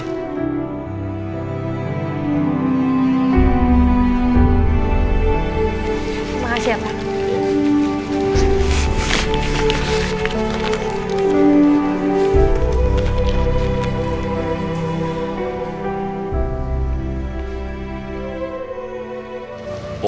terima kasih pak